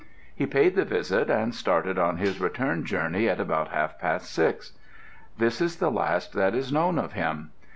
He paid the visit, and started on his return journey at about half past six. This is the last that is known of him.